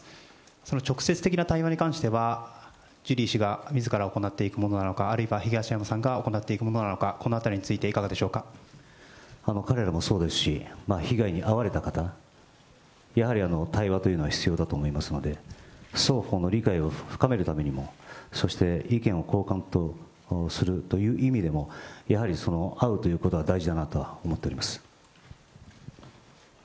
その直接的な対話に関しては、ジュリー氏がみずから行っていくものなのか、あるいは東山さんが行っていくものなのか、このあたりについてい彼らもそうですし、被害に遭われた方、やはり対話というのは必要だと思いますので、双方の理解を深めるためにも、そして意見を交換するという意味でも、やはり会うということは大事だなと思っております。